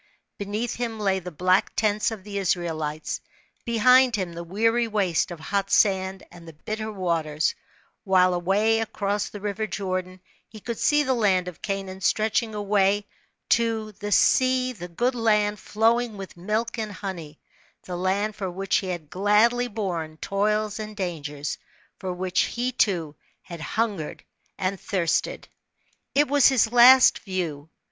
Beneath him lay the black tents of the Israelites, behind him the weary waste of hot sand and the bitter waters ; while away across the river Jordan he could see the land of Canaan stretching away tc ^he sea the good land "flowing with milk and honey," the land for which he had gladly borne toils and dangers, for which he, too, had hungered and thirsted. It was his last view.